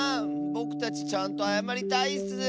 ぼくたちちゃんとあやまりたいッス！